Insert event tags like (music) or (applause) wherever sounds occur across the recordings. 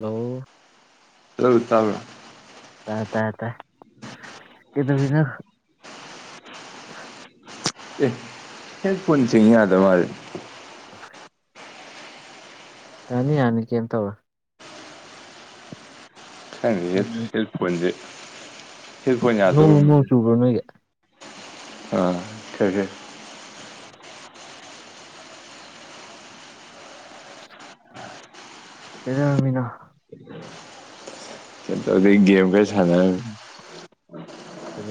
Hello ꯇꯕꯔꫭ ꯇꯥꯏ ꯇꯥꯏ ꯇꯥꯏ ꯀꯩꯗꯧꯔꯤꯅꯣ ꯑꯦ ꯍꯦꯐꫭꯟ ꯆꯤꯡ ꯌꯥꯗꯕ ꯃꯥꯜꯂꯦ ꯌꯥꯅꯤ ꯌꯅꯤ ꯀꯔꯤꯝ ꯇꯧꯔꯣꯏ ꯈꯪꯗꯦ ꯍꯦꯐꫭꯟꯁꯦ ꯅꫭꯡ ꯅꫭꯡ ꯆꯨꯕꯣ ꯅꫭꯏꯒꯤ ꯑꯥ ꯈꯔꯥ ꯀꯩꯗꯧꯔꯝꯃꯤꯅꯣ ꯑꯗꯨ ꯒꯦꯝꯒ ꯁꯥꯟꯔꯝꯅꯤ ꯑꯗꯨ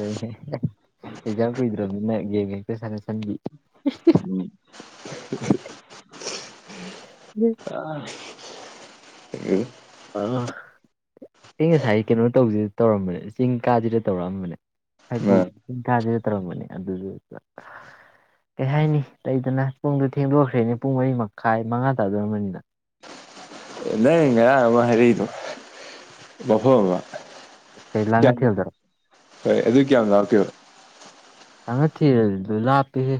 ꯑꯦꯛꯖꯥꯝ ꯀꯨꯏꯗ꯭ꯔꯕꯅꯤꯅ ꯒꯦꯝ ꯍꯦꯛꯇ ꯁꯥꯟꯅꯁꯟꯕꯤ ꯑ ꯑꯩ ꯉꯁꯥꯏ ꯀꯩꯅꯣ ꯇꯧꯁꯤ ꯇꯧꯔꯝꯕꯅꯦ ꯆꯤꯡ ꯀꯥꯁꯤꯗ ꯇꯧꯔꯛꯑꯝꯕꯅꯦ ꯍꯥꯏꯕꯗꯤ ꯑꯥ ꯆꯤꯡ ꯀꯥꯁꯤꯗ ꯇꯧꯔꯝꯕꯅꯦ ꯑꯗꯨꯗꯨ ꯀꯩ ꯍꯥꯏꯅꯤ ꯂꯩꯗꯅ ꯄꯨꯡꯗꯣ ꯊꯦꯡꯗꯣꯛꯈ꯭ꯔꯦꯅꯦ ꯄꯨꯡ ꯃꯔꯤ ꯃꯈꯥꯏ ꯃꯉꯥ ꯇꯥꯗꯣꯔꯝꯕꯅꯤꯗ ꯅꯪ ꯉꯔꯥꯡ ꯑꯃ ꯍꯥꯏꯔꯛ ꯏꯗꯨ ꯃꯐꯝ ꯑꯃ ꯀꯩ ꯀꯌꯥꯝ ꯂꯥꯡꯉꯊꯦꯜꯗꯔꯣ ꯍꫭꯏ ꯑꯗꯨ ꯀꯌꯥꯝ ꯂꯥꯞꯀꯦꯕ ꯂꯟꯉꯊꯦꯜ ꯑꯗꯨꯗꯤ ꯂꯥꯞꯄꯦ ꯍꯦ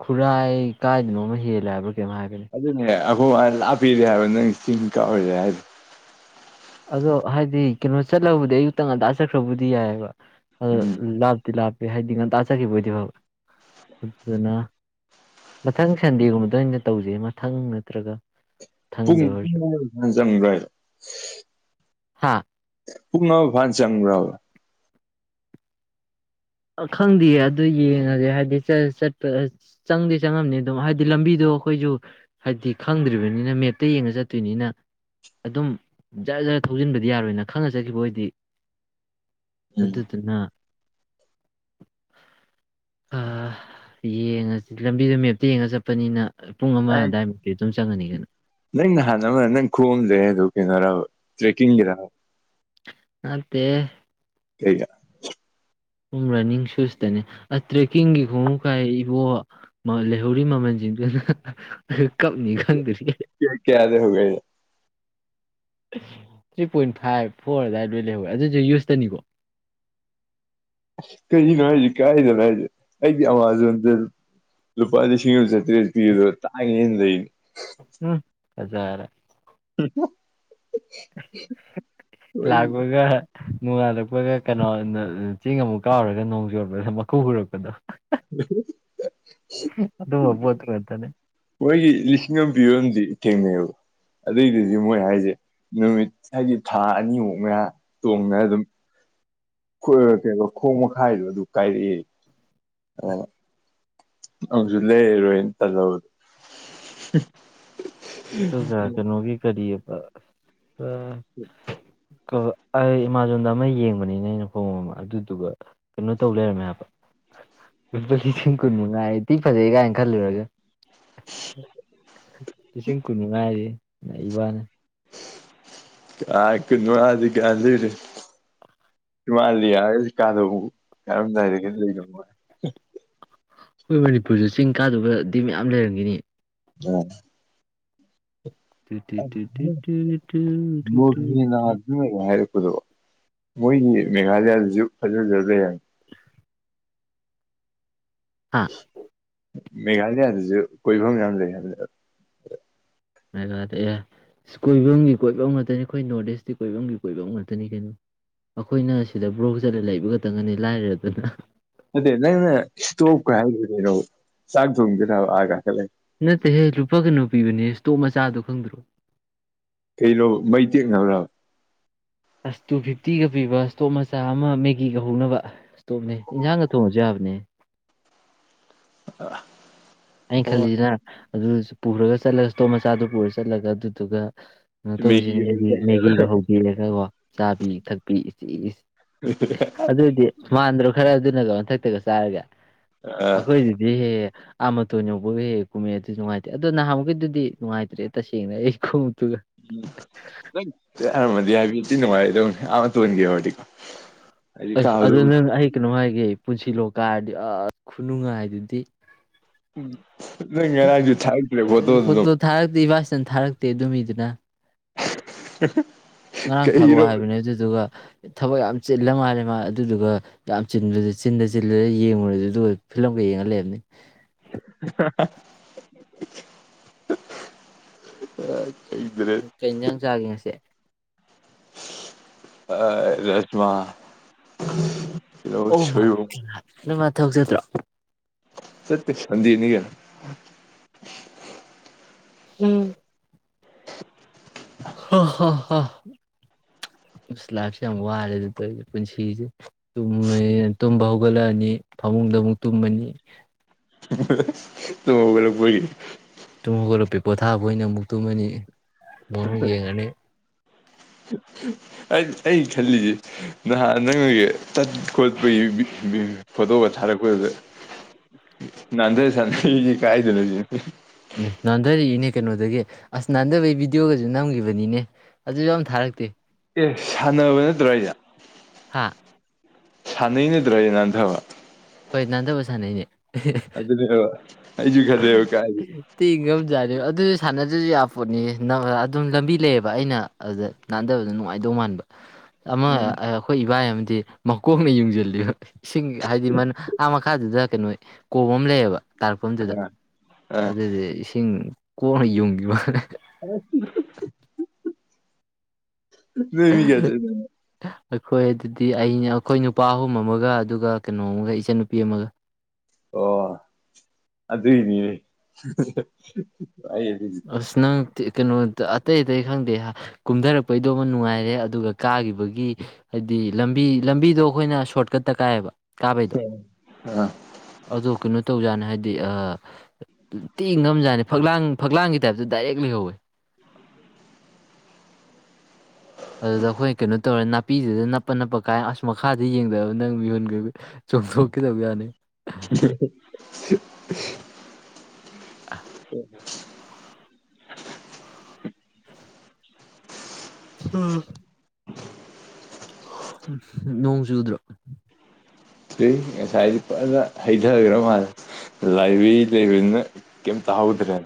ꯈꯨꯔꯥꯏ ꯀꯥꯏꯗꯅꯣ ꯑꯃ ꯍꯦꯜꯂꯦ ꯍꯥꯏꯕ ꯀꯩꯅꫭꯃ ꯍꯥꯏꯕꯅꯦ ꯑꯈꯣ ꯃꯥ ꯂꯥꯞꯄꯦ ꯗꯤ ꯍꯥꯏꯕ ꯅꯪ ꯆꯤꯡ ꯀꯥꯔꯨꯁꯦ ꯍꯥꯏꯗꫭ ꯑꯗꯣ ꯍꯥꯏꯗꯤ ꯀꯩꯅꯣ ꯆꯠꯂꯕꯨꯗꯤ ꯑꯌꯨꯛꯇꯪ ꯉꯟꯇꯥ ꯆꯠꯈ꯭ꯔꯕꯕꯨꯗꯤ ꯌꯥꯏꯑꯕ ꯑꯗꯨꯗ ꯎꯝ ꯂ ꯇꯤꯂꯥꯞꯄꯦ ꯍꯥꯏꯗꯤ ꯉꯟꯇꯥꯆꯈꯤꯕ ꯑꯣꯏꯗꯤꯣꯏ ꯐꯕ ꯑꯗꯨꯅ ꯃꯊꯪ ꯁꯟꯗꯦꯒꯨꯝꯕꯗ ꯑꯣꯏꯅ ꯇꯧꯖꯩ ꯃꯊꯪ ꯅꯠꯇ꯭ꯔꯒ ꯄꯨꯡ ꯃꯊꯪꯗ ꯑꯣꯏꯔꯁꯨ ꯄꯨꯡꯅ ꯆꯪ꯭ꯔꯥꯏ ꯍꯥꯥ ꯄꯨꯛꯅ ꯐꯥꯟ ꯆꯪ꯭ꯔꯕ ꯈꯪꯗꯦꯌꯦ ꯑꯗꯨ ꯌꯦꯡꯉꯁꯦ ꯍꯥꯏꯗꯤ ꯆꯠꯄ ꯆꯪꯗꯦ ꯆꯪꯉꯝꯅꯤ ꯑꯗꯨꯝ ꯍꯥꯏꯕꯗꯤ ꯂꯝꯕꯤꯗꯣ ꯑꯩꯈꯣꯏꯁꯨ ꯍꯥꯏꯗꯤ ꯈꯪꯗ꯭ꯔꯤꯕꯅꯤꯅ ꯃꯦꯞꯇ ꯌꯦꯡꯉ ꯆꯠꯇꯣꯏꯅꯤꯅ ꯑꯗꯨꯝ ꯖꯔ ꯖꯔ ꯊꯧꯖꯤꯟꯕꯗꯤ ꯌꯥꯔꯣꯏꯅ ꯈꯪꯉ ꯆꯠꯈꯤꯕ ꯑꯣꯏꯗꯤ ꯎꯝ ꯑꯗꯨꯠꯇ ꯑꯗꯨꯅ ꯌꯦꯡꯉꯁꯤ ꯂꯝꯕꯤꯗꯣ ꯃꯦꯞꯇ ꯌꯦꯡꯉ ꯆꯠꯄꯅꯤꯅ ꯄꯨꯡ ꯑꯃ ꯑꯩ ꯍꯥꯏꯗꯥꯏ ꯁꯨꯝ ꯆꯪꯉꯅꯤꯗꯅ ꯅꯪ ꯅꯍꯥꯟꯅ ꯑꯃ ꯅꯪ ꯈꯣꯝꯗꯦ ꯑꯗꯨ ꯀꯩꯅꯣꯔ ꯇ꯭ꯔꯦꯛꯀꯤꯡꯒꯤꯔ ꯅꯥꯠꯇꯦ ꯀꯩꯗ ꯁꯨꯝ ꯔꯟꯅꯤꯡ ꯁꯨꯁꯇꯅꯦ ꯑ ꯇ꯭ꯔꯦꯛꯀꯤꯡꯒꯤ ꯈꯣꯡꯎꯨ ꯀꯥꯏ ꯏꯕꯣ ꯂꯩꯍꯧꯔꯤ ꯃꯃꯜꯁꯤꯡꯗꯨꯅ ꯀꯞꯅꯤ ꯈꯪꯗꯔꯤ ꯍꯧꯒ ꯊ꯭ꯔꯤ ꯄꯣꯏꯟ ꯐꯥꯏꯚ ꯐꯣꯔ ꯑꯗꯨꯋꯥꯏꯗ ꯂꯣꯏ ꯂꯩꯍꯧꯋꯦ ꯑꯗꯨꯁꯨ ꯌꯨꯁꯇꯅꯤꯀꯣ ꯀꯔꯤꯒꯤꯅꯣ ꯍꯥꯏꯁꯤ ꯀꯥꯏꯗꯅꯣ ꯍꯥꯏꯁꯤ ꯑꯩꯗꯤ ꯑꯥꯃꯥꯖꯣꯟꯗ ꯂꯨꯄꯥ ꯂꯤꯁꯤꯡ ꯑꯃ ꯆꯥꯇ꯭ꯔꯦꯠ ꯄꯤꯕꯗꯣ ꯇꯥꯡꯉꯦꯅ ꯂꯩꯅꯤ ꯎꯝ ꯍꯖꯔꯦ ꯎꯝ ꯂꯥꯛꯄꯒ ꯅꯣꯡꯉꯥꯜꯂꯛꯄꯒ ꯀꯩꯅꯣ ꯆꯦꯡ ꯑꯃꯨꯛ ꯀꯥꯎꯔꯒ ꯅꯣꯡ ꯆꯣꯄꯗ ꯃꯈꯨ ꯍꯔꯛꯄꯗꯣ ꯑꯗꯨꯝ (inaudible) ꯃꯣꯏꯒꯤ ꯂꯤꯁꯤꯡ ꯑꯃ ꯄꯤꯔꯣꯝꯗꯤ ꯊꯦꯡꯅꯩꯑꯕ ꯑꯗꯨꯏꯗꯨꯗꯤ ꯃꯣꯏ ꯍꯥꯏꯁꯦ ꯅꯨꯃꯤꯠ ꯍꯥꯏꯗꯤ ꯊꯥ ꯑꯅꯤꯃꯨꯛ ꯃ ꯇꯣꯡꯅ ꯑꯗꯨꯝ (unintelligible) ꯈꯣꯡ ꯃꯈꯥꯏꯗꯣ ꯑꯗꯨ ꯀꯥꯏꯔꯛꯑꯦ ꯑ ꯑꯃꯨꯀꯁꯨ ꯂꯩꯔꯔꯣꯏꯅꯥ ꯇꯜ ꯂꯥꯕꯥ ꯇ ꯀꯌꯥ ꯀꯅꯣꯒꯤ ꯀꯔꯤꯌꯦ ꯑ ꯎꯝ ꯑꯩ ꯑꯦꯃꯥꯖꯣꯟꯗ ꯑꯃ ꯌꯦꯡꯕꯅꯤꯅ ꯑꯩꯅ ꯐꯣꯡ ꯑꯃ ꯑꯗꯨꯗꯨꯒ ꯀꯩꯅꯣ ꯇꯧ ꯂꯩꯔꯝꯃꯦ ꯍꯥꯏꯕ ꯂꯨꯄꯥ ꯂꯤꯁꯤꯡ ꯀꯨꯟꯃꯉꯥꯏꯗꯤ ꯊꯤ ꯐꯖꯩ ꯀꯥꯏꯅ ꯈꯜꯂꯨꯔꯒꯦ ꯂꯤꯁꯤꯡ ꯀꯨꯟꯃꯉꯥ ꯌꯦ ꯅꯩꯏꯕꯧꯅꯦ ꯀꯀ ꯃꯥꯗꯤ ꯀꯌꯥ ꯂꯩꯔꯦ ꯁ ꯃꯥꯜꯂꯤ ꯍꯥꯏꯔꯁꯨ (unintelligible) ꯀꯥꯗꯧ ꯀꯥꯔꯝꯗꯥꯏꯗ ꯀ ꯂꯩꯔꯝꯃ ꯑꯩꯈꯣꯏ ꯃꯅꯤꯄꯨꯔꯁꯨ ꯆꯤꯡ ꯀꯥꯗꯕꯗꯤ ꯃꯌꯥꯝ ꯂꯩꯔꯝꯈꯤꯅꯤ ꯎꯝ ꯇ ꯇ ꯇ ꯇ ꯇ ꯇ ꯑꯗꯨ ꯃꯣꯏ ꯃꯦꯒꯥꯂꯥꯌꯥ ꯗꯁꯨ ꯐꯖ ꯐꯖꯕ ꯂꯩ ꯍꯥꯌꯕꯅꯤ ꯍꯥꯥ ꯃꯦꯘꯥꯂꯌꯥꯗꯁꯨ ꯀꯣꯏꯐꯝ ꯌꯥꯝ ꯂꯩ ꯍꯥꯏꯕꯅꯦ ꯃꯦꯒꯥꯗ ꯑꯦ ꯀꯣꯏꯐꯝꯒꯤ ꯀꯣꯏꯐꯝ ꯉꯥꯛꯇꯅꯤ ꯑꯩꯈꯣꯏ ꯅꯣꯔꯠ ꯏꯁꯇꯤ ꯀꯣꯏꯐꯝꯒꯤ ꯀꯣꯏꯐꯝ ꯉꯥꯛꯇꯅꯤ ꯀꯩꯅꯣ ꯑꯩꯈꯣꯏꯅ ꯁꯤꯗ ꯕ꯭ꯔꯣꯛ ꯆꯠꯂ ꯂꯩꯕ ꯈꯛꯇꯪꯒꯅꯤ ꯂꯥꯏꯔꯦ ꯑꯗꯨꯅ ꯑꯗꯨꯗ ꯅꯪꯅ ꯏꯁꯇꯣꯞꯀ ꯍꯥꯏꯗ ꯀꯩꯅꯣ ꯆꯥꯛ ꯊꯣꯡꯒꯗꯕ ꯑꯥꯒ ꯈꯠ ꯂꯩ ꯅꯠꯇꯦꯍꯦ ꯂꯨꯄꯥ ꯀꯩꯅꯣ ꯄꯤꯕꯅꯦ ꯏꯁꯇꯣꯞ ꯃꯆꯥꯗꯣ ꯈꯪꯗ꯭ꯔꯣ ꯀꯩ ꯂꯣ ꯃꯩ ꯇꯦꯛꯅꯕꯔꯥ ꯑꯁ ꯇꯨ ꯐꯤꯐꯇꯤꯒ ꯄꯤꯕ ꯏꯁꯇꯣꯞ ꯃꯆꯥ ꯑꯃ ꯃꯦꯒꯤꯒ ꯍꯧꯅꯕ ꯏꯁꯇꯣꯞꯅꯦ ꯏꯟꯁꯥꯡꯒ ꯊꯣꯡꯉꯁꯨ ꯌꯥꯕꯅꯦ ꯑ ꯑꯩ ꯈꯂꯁꯤꯗ ꯑꯗꯨꯁꯨ ꯄꯨꯔꯒ ꯆꯠꯂꯒ ꯏꯁꯇꯣꯝ ꯃꯆꯥꯗꯨ ꯄꯨꯔꯒ ꯆꯠꯂꯒ ꯑꯗꯨꯗꯨꯒ ꯀꯩꯅꯣ ꯃꯦꯒꯤ ꯇꯧꯁꯤꯅꯦ ꯑꯣꯏꯔꯗꯤ ꯃꯦꯒꯤꯒ ꯍꯧꯕꯤꯔꯒꯀꯣ ꯆꯥꯕꯤ ꯊꯛꯄꯤ ꯏꯆꯦ ꯑꯗꯨꯑꯣꯏꯗꯤ ꯃꯥꯟꯗ꯭ꯔꯣ ꯈꯔ ꯑꯗꯨ ꯆꯒ ꯃꯟꯊꯛꯇꯒ ꯆꯥꯔꯒꯦ ꯑꯥ ꯑꯈꯣꯏꯗꯗꯤꯗꯤꯦ ꯑꯥ ꯃꯇꯣꯟ ꯌꯧꯕꯒ ꯍꯦꯛ ꯀꯨꯝꯃꯦ ꯑꯗꯨ ꯅꯨꯡꯉꯥꯏꯇꯦ ꯑꯗꯣ ꯅꯍꯥꯟꯃꯨꯛꯩꯗꯨꯗꯤ ꯅꯨꯡꯉꯥꯏꯇ꯭ꯔꯦ ꯇꯁꯦꯡꯅ ꯑꯩ ꯇꯔ ꯃꯗꯤ ꯍꯥꯏꯇ ꯅꯅꯨꯡ ꯃꯥꯥꯏ (unintelligible) ꯑꯥ ꯃꯇꯣꯟ ꯌꯧꯔꯗꯤ ꯑꯁ ꯑꯗꯨ ꯅꯪ ꯑꯩ ꯀꯩꯅꯣ ꯍꯥꯏꯒꯦ ꯄꯨꯟꯁꯤꯂꯣ ꯀꯥꯔꯗꯤ ꯑꯁ ꯈꯨꯅꯨꯡꯉꯥꯏ ꯍꯥꯏꯗꯨꯗꯤ ꯅ ꯉꯔꯁꯨ ꯊꯔꯛꯇꯔ꯭ꯦ ꯐꯣꯇꯣꯗꯨ ꯐꯆꯟ ꯊꯥꯔꯛꯇꯦ ꯑꯗꯨ ꯃꯤꯗꯨꯅ (unintelligible) ꯉꯔꯥꯡ ꯊꯥꯔꯛꯑꯣ ꯀꯩꯅꯣ ꯍꯥꯏꯕꯅꯦ ꯑꯗꯨꯗꯨꯒ ꯊꯕꯛ ꯌꯥꯝ ꯆꯤꯜꯂ ꯃꯥꯜꯂꯦ ꯃꯥ ꯑꯗꯨꯗꯨꯒ ꯌꯥꯝ ꯆꯤꯟ ꯆꯤꯟꯗ ꯆꯤꯜꯂꯒ ꯌꯦꯡꯉꯨꯔꯦꯗꯨ ꯐꯤꯂꯝꯒ ꯌꯦꯡꯍꯜ ꯂꯩꯕꯅꯤ ꯑ ꯀꯩ ꯏꯟꯖꯥꯡ ꯆꯥꯒꯦ ꯉꯁꯦ ꯑ ꯔꯖꯃꯥ ꯑꯣ ꯃꯥꯔ ꯊꯧꯖꯗ꯭ꯔꯣ ꯁ ꯄ ꯁꯨꯟꯗꯦ ꯀꯩ ꯎꯝ ꯍ ꯍ ꯑ ꯂꯥꯏꯐꯁꯦ ꯌꯥꯝ ꯋꯥꯔꯦ ꯑꯗꯨ ꯇꯧꯁꯦ ꯄꯨꯟꯁꯤꯁꯦ ꯇꯨꯝꯕ ꯍꯧꯒꯠꯂꯛꯑꯅꯤ ꯐꯃꯨꯡꯗ ꯑꯃꯨꯛ ꯇꯨꯝꯃꯅꯤ ꯅꯒꯂꯄ (unintelligible) ꯇꯨꯝꯃꯒꯠꯂꯣꯄ ꯄꯣꯊꯥꯕ ꯑꯣꯏꯅ ꯑꯃꯨꯛ ꯇꯨꯝꯃꯅꯤ ꯃꯃꯤ ꯌꯦꯒꯅꯤ ꯑꯩ ꯈꯜꯂꯤꯁꯦ ꯅꯍꯥꯟ ꯅꯪꯒꯤ ꯆꯠ ꯈꯣꯠꯄꯒꯤ ꯐꯣꯇꯣꯒ ꯊꯥꯔꯛꯄꯗ ꯅꯥꯟꯊ ꯁꯥꯟꯊꯔꯤꯁꯤ ꯀꯥꯏꯗꯅꯣꯁꯤ ꯎ ꯅꯥꯟꯊꯔꯛꯏꯅꯦ ꯀꯩꯅꯣꯗꯒꯤ ꯑꯁ ꯅꯥꯟꯊꯕꯒꯤ ꯚꯤꯗꯤꯑꯣꯒꯁꯨ ꯅꯝꯈꯤꯕꯅꯤꯅꯦ ꯑꯗꯨ ꯌꯥꯝ ꯊꯥꯔꯛꯇꯦ ꯑꯦ ꯁꯥꯟꯅꯕ ꯅꯠꯇ꯭ꯔꯣ ꯑꯩꯁ ꯍꯥꯥ ꯁꯥꯟꯅꯩꯅꯗ꯭ꯔꯌꯦ ꯅꯥꯟꯊꯕ ꯍꯣꯏ ꯅꯥꯟꯊꯕ ꯁꯥꯟꯅꯩꯅꯦ ꯑꯗꯨꯅꯦꯕ ꯑꯩꯁꯨ ꯈꯜꯂꯦꯕ ꯀꯥꯏꯗꯤ ꯇꯤꯡꯉꯖꯥꯅꯦ ꯑꯗꯨ ꯁꯥꯟꯅꯗ꯭ꯔꯁꯨ ꯌꯥ ꯄꯣꯠꯅꯤ ꯑꯗꯨꯝ ꯂꯝꯕꯤ ꯂꯩꯌꯦꯕ ꯑꯩꯅ ꯑꯗꯨꯗ ꯅꯥꯟꯗꯕꯗ ꯅꯨꯡꯉꯥꯏꯗꯧ ꯃꯥꯟꯕ ꯑꯃ ꯎꯝ ꯑꯩꯈꯣꯏ ꯏꯕꯥꯏ ꯗꯤ ꯃꯀꯣꯛꯅ ꯌꯡꯁꯤꯜꯂꯤꯕ ꯑꯥ ꯃꯈꯥꯗꯨꯗ ꯀꯩꯅꯣ ꯀꯣꯝ ꯑꯃ ꯂꯩꯌꯦꯕ ꯇꯥꯔꯛꯐꯝꯗꯨꯗ ꯑꯥ ꯑꯥ ꯑꯗꯨꯗꯤ ꯏꯁꯤꯡ ꯀꯣꯛꯅ ꯌꯣꯡꯈꯤꯕ ꯍ (unintelligible) ꯅꯃꯤ ꯀꯦ ꯆ ꯑꯩꯈꯣꯏ ꯑꯗꯨꯗꯤ ꯑꯩꯅ ꯑꯩꯈꯣꯏ ꯅꯨꯄꯥ ꯑꯍꯨꯝ ꯑꯃꯒ ꯑꯗꯨꯒ ꯀꯩꯅꯣ ꯑꯃꯒ ꯏꯆꯟꯅꯨꯄꯤ ꯑꯃꯒ ꯑꯣ ꯑꯗꯨ ꯑꯗꯨꯅꯦ ꯑꯁꯅꯪ ꯀꯩꯅꯣ ꯑꯇꯩ ꯑꯇꯩ ꯈꯪꯗꯦ ꯀꯨꯝꯊꯔꯛꯄꯩꯗꯣꯃ ꯅꯨꯡꯉꯥꯏꯔꯦ ꯑꯗꯨꯒ ꯀꯥꯈꯤꯕꯒꯤ ꯍꯥꯏꯗꯤ ꯂꯝꯕꯤ ꯂꯝꯕꯤꯗꯣ ꯑꯩꯈꯣꯏꯅ ꯁꯣꯔꯠꯀꯠꯇ ꯀꯥꯏꯌꯦꯕ ꯀꯥꯕꯩꯗꯣ ꯑꯥ ꯑꯗꯨ ꯀꯩꯅꯣ ꯇꯧꯖꯥꯠꯅꯦ ꯍꯥꯏꯗꯤ ꯇꯤ ꯉꯝꯖꯥꯅꯤ ꯐꯛꯂꯥꯡ ꯐꯛꯂꯥꯡꯒꯤ ꯇꯥꯏꯞꯇ ꯗꯥꯏꯔꯦꯛꯂꯤꯍꯧꯋꯤ ꯑꯗꯨꯗ ꯑꯩꯈꯣꯏ ꯀꯩꯅꯣ ꯇꯧꯔꯦ ꯅꯥꯄꯤꯗꯨꯗ ꯅꯞꯄ ꯅꯞꯄ ꯀꯥꯏ ꯑꯁ ꯃꯈꯥꯗ ꯌꯦꯡꯗꯕ ꯅꯪ ꯃꯤꯣꯟ ꯆꯣꯡꯊꯣꯛꯀꯗꯕ ꯌꯥꯅꯤ (unintelligible) (unintelligible) ꯍꯥ (unintelligible) ꯅꯣꯡ ꯆꯨꯗ꯭ꯔꯣ ꯊꯨꯏ ꯉꯁꯥꯏ ꯐꯖꯥꯅ ꯍꯩꯊꯔꯒ ꯃꯥꯜꯂꯦ꯫ ꯂꯥꯏꯕ꯭ꯔꯦꯔꯤ ꯂꯩꯕꯅꯤꯅ ꯀꯦꯝ ꯇꯥꯍꯧꯗ꯭ꯔꯦ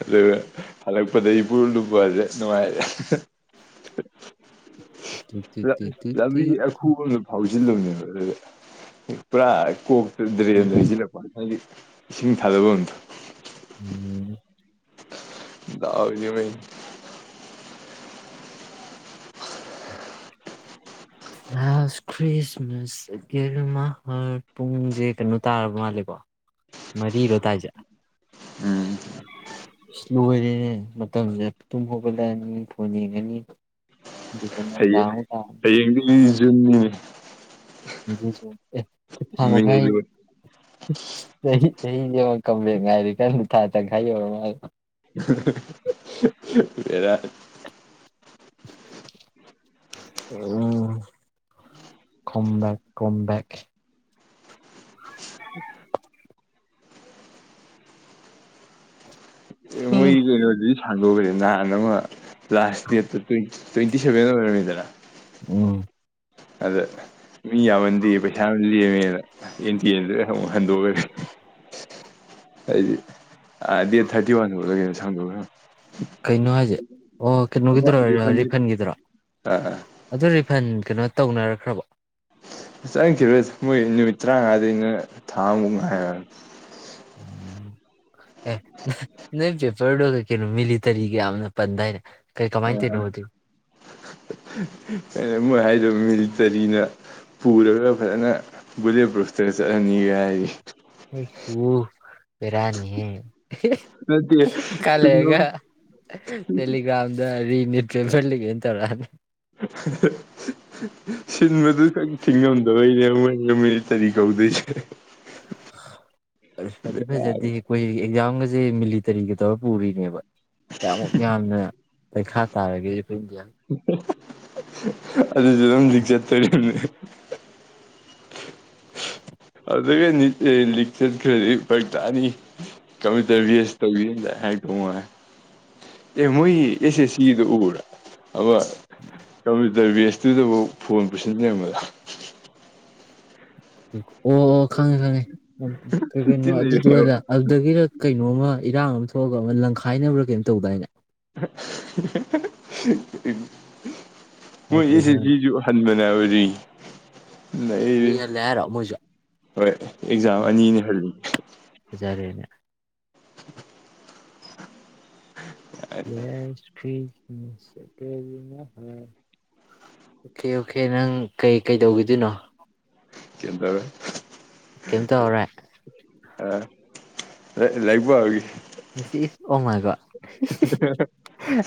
ꯑꯗꯨꯒ ꯍꯜꯂꯛꯄꯗ ꯏꯄꯨꯔ ꯂꯨꯞꯄꯁꯦ ꯅꯨꯡꯉꯥꯏꯔꯦ꯫ ꯇꯤ ꯇꯤ ꯂ ꯇꯤ ꯇꯤ ꯇꯤ ꯂꯝꯕꯤ ꯑꯈꯨꯕ ꯑꯃ ꯐꯥꯎ (unintelligible) ꯄꯨꯔ ꯀꯣꯛ ꯗ꯭ꯔꯦꯟꯗ ꯍꯥꯏꯖꯤꯜꯂꯛꯄ (unintelligible) ꯏꯁꯤꯡ ꯊꯥꯗꯣꯛꯑꯝꯗ ꯎꯝ ꯗꯥꯎꯁ‌ꯦ ꯃꯩꯅꯤ last Christmas I gave you my heart. ꯄꯨꯡꯁꯦ ꯀꯩꯅꯣ ꯇꯥꯔꯕ ꯃꯥꯜꯂꯦꯀꯣ ꯃꯔꯤꯔꯣꯇꯥꯏꯁꯦ꯫ ꯎꯝ ꯏꯁ ꯂꯣꯢꯔꯦꯅꯦ ꯃꯇꯝꯁꯦ꯫ ꯇꯨꯝ ꯍꯧꯒꯠꯂꯛꯑꯅꯤ, ꯐꯣꯟ ꯌꯦꯡꯉꯥꯅꯤ꯫ ꯍꯌꯦꯡ ꯍꯌꯦꯡꯗꯤ ꯅꯦ ꯖꯨꯟꯅꯦ꯫ ꯚꯤꯂꯦꯓ꯭ꯔ ꯑꯦ ꯊꯥ ꯃꯤꯡ ꯃꯈꯥꯏ ꯂꯣꯏ ꯆꯥꯍꯤ ꯆꯥꯍꯤ ꯁꯦ ꯌꯦꯡꯑꯣ (unintelligible) ꯉꯥꯏꯔꯤ ꯀꯟ ꯊꯥ ꯇꯪꯈꯥꯏ ꯌꯧꯔ ꯃꯥꯜꯂꯣ꯫ ꯚꯦꯔꯥꯅꯤ ꯎꯝ ꯗꯝꯕꯦꯛ ꯀꯝꯕꯦꯛ ꯎꯝ ꯃꯣꯏ ꯀꯩꯅꯣꯗꯨꯗꯤ ꯁꯥ ꯑꯂꯨꯒꯥꯅꯦ ꯅꯍꯥꯟ ꯑꯃ ꯂꯥꯁ ꯁꯇꯦꯠꯇ ꯇꯨꯢ ꯇꯣꯏꯟꯇꯤ ꯁꯦꯚꯦꯟ ꯑꯣꯏꯔꯣꯏꯗꯅ ꯉꯝ ꯑꯗ ꯃꯤ ꯌꯥꯝꯃꯟꯗꯦ ꯄꯩꯁꯥ ꯌꯝ ꯂꯦꯝꯃꯦꯅ (unintelligible) ꯍꯪ (unintelligible) ꯍꯟꯗꯣꯏ ꯑꯩ ꯑ ꯗꯦꯠ ꯊ꯭ꯔꯇꯤ ꯋꯥꯟ ꯕꯧꯔꯀꯩꯅꯣ ꯁꯥꯡꯗꯣꯛ ꯈꯔꯝ ꯀꯩꯅꯣ ꯍꯥꯏꯁꯦ꯫ ꯑꯣ ꯑꯃ ꯀꯩꯅꯣꯒꯤꯗꯨꯔꯣ ꯔꯤꯐꯟꯒꯤꯗꯣ ꯔꯤꯐꯟꯒꯤꯗꯔꯣ, ꯑꯥ ꯑꯗꯨ ꯔꯤꯐꯟ ꯀꯩꯅꯣ ꯇꯧꯅꯔ ꯈꯔꯕꯣ ꯆꯪꯈꯤꯔꯗ ꯃꯣꯏ ꯅꯨꯃꯤꯠ ꯇꯔꯥꯉꯥꯗꯩꯅ ꯊꯥ ꯑꯃꯃꯨꯛ ꯉꯥꯏ ꯍꯥꯏ ꯑꯦ ꯅꯣꯏ ꯄꯦꯄꯔꯗꯣ ꯀꯩ ꯀꯩꯅꯣ ꯃꯤꯂꯤꯇꯔꯤꯒ ꯌꯥꯝꯅ ꯄꯟꯗꯥꯏꯅꯦ ꯀꯩ ꯀꯃꯥꯏ ꯇꯩꯅꯣ ꯑꯗꯨ ꯃꯣꯏ ꯍꯥꯏꯗꯣ ꯃꯤꯂꯤꯇꯔꯤꯅ ꯄꯨꯔꯒ ꯐꯖꯥꯅ ꯕꯨꯂꯦꯠ ꯄ꯭ꯔꯨꯐꯇ ꯆꯠꯍꯟꯅꯤ ꯒ ꯍꯥꯏꯔꯤ (unintelligible) ꯚꯦꯔꯥꯅꯤꯍꯦ ꯑꯦ ꯅꯠꯇꯦ ꯍꯤꯛ ꯁꯤꯟꯕ ꯀꯜꯂꯩꯔꯒ ꯇꯦꯂꯤꯒ꯭ꯔꯥꯝꯗ ꯔꯤꯅꯤꯠ ꯆꯦꯟꯁꯜꯂꯤꯒꯦꯅ ꯇꯧꯔꯛꯑꯅꯤ ꯁꯤꯟꯕꯗꯨ ꯈꯪ (unintelligible) ꯉꯝꯗꯕꯩꯏꯅꯦꯕ ꯃꯣꯏꯅ ꯃꯤꯂꯤꯇꯔꯤ ꯀꯧꯗꯣꯏꯁꯦ ꯐꯗꯤ ꯐꯖꯗꯦ ꯑꯩꯈꯣꯏ ꯑꯦꯛꯖꯥꯝꯒ ꯁꯦ ꯃꯤꯂꯤꯇꯔꯤꯒ ꯇꯧꯔ ꯄꯨꯔꯤꯅꯦꯕ ꯀꯌꯥꯃꯨꯛ ꯌꯥꯝꯅ ꯄꯩꯈꯥ ꯇꯥꯔꯒꯦ (unintelligible) ꯑꯗꯨꯁꯨ ꯑꯗꯨꯝ ꯆ ꯇꯔꯅꯤ ꯑꯗꯨ ꯂꯤꯛ ꯆꯠꯈ꯭ꯔꯗꯤ ꯐꯔꯛ ꯇꯅꯤ ꯀꯝꯄꯌꯨꯇꯔ ꯚꯦꯁ ꯇꯧ ꯍꯥꯏꯗꯉ ꯑꯦ ꯃꯣꯏ ꯑꯦꯁꯦ ꯁꯤꯗ ꯎꯔ ꯑꯕ ꯀꯃꯤ ꯗꯔꯚꯦꯁꯇꯨꯗꯕꯨ ꯐꯣꯟ ꯄꯨꯁꯤꯟ ꯌꯥꯕꯗ ꯑꯣ ꯑꯣ ꯈꯪꯉꯦ ꯈꯪꯉꯦ ꯀꯒꯅ ꯊꯤꯅ ꯑꯗꯨ ꯑꯗꯨ ꯑꯣꯏꯂ ꯑꯗꯨꯗꯒ ꯏꯔꯣ ꯀꯩ ꯀꯩꯅꯣꯝꯃ ꯏꯔꯥꯡ ꯑꯃ ꯊꯣꯛꯑꯒ ꯑꯃ ꯂꯪꯈꯥꯏꯅꯕ꯭ꯔꯥ ꯀꯩꯅꯝ ꯇꯧꯗꯥꯏꯅꯦ (unintelligible) ꯃꯣꯏ ꯁꯥꯇ꯭ꯔ ꯈꯔ (unintelligible) ꯕꯔꯤ ꯅꯩꯔꯦ ꯃꯤꯍꯜꯂꯦ ꯍꯥꯏꯔꯣ ꯃꯣꯏꯁꯨ ꯍꯣꯏ ꯑꯦꯛꯖꯥꯝ ꯑꯅꯤꯅꯤ ꯍꯜꯂꯤ ꯐꯖꯔꯦꯅꯦ (unintelligible) ꯎꯝ ꯑꯣꯀꯦ ꯑꯣꯀꯦ ꯅꯪ ꯀꯩ ꯀꯩꯗꯧꯈꯤꯗꯣꯏꯅꯣ (unintelligible) ꯀꯩꯝ ꯇꯧꯔꯔꯣꯏ (unintelligible) ꯁꯤ ꯏꯁ ꯑꯣꯃꯀꯣ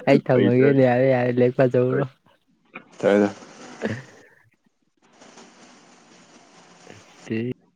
ꯑꯩ ꯐꯥꯒꯤ ꯊꯝꯃꯒꯦ ꯇꯧꯅꯤ ꯌꯥꯔꯦ ꯌꯥꯔꯦ ꯂ ꯐꯖ꯭ꯔꯣ (unintelligible)